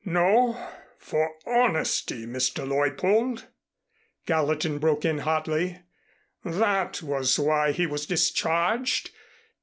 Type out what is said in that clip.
"No for honesty, Mr. Leuppold," Gallatin broke in hotly. "That was why he was discharged.